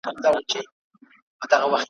له ستوني د لر او بر یو افغان چیغه را وزي ,